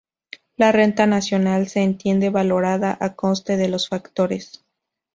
La renta nacional se entiende valorada a coste de los factores.